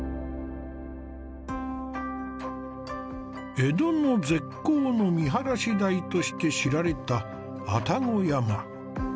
江戸の絶好の見晴らし台として知られた愛宕山。